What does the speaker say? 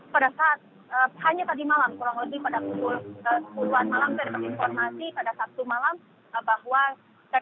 pada saat hanya tadi malam kurang lebih pada pukul sepuluh an malam saya dapat informasi pada sabtu malam bahwa dari